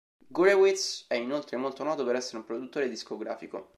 Gurewitz è inoltre molto noto per essere un produttore discografico.